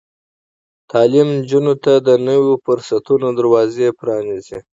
تعلیم نجونو ته د نويو فرصتونو دروازې پرانیزي.